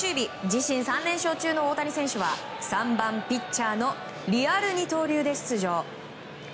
自身３連勝中の大谷選手は３番、ピッチャーのリアル二刀流で出場。